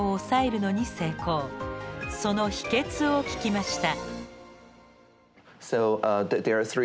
その秘けつを聞きました。